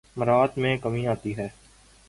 اورنہ مراعات میں کمی آتی ہے۔